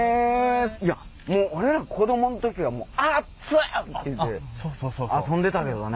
いやもう俺ら子どもん時はもう「あっつい！」っていうて遊んでたけどね。